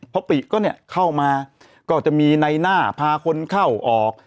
พอปิก็เนี่ยเข้ามาก็จะมีในหน้าพาคนเข้าออก